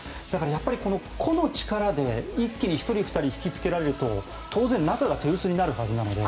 やっぱり、この個の力で一気に１人、２人引き付けられると当然中が手薄になるはずなので。